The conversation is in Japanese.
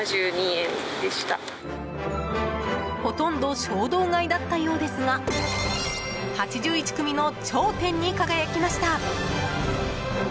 ほとんど衝動買いだったようですが８１組の頂点に輝きました。